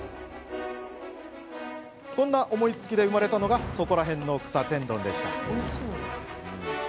こんな思いつきで生まれたのがそこらへんの草天丼でした。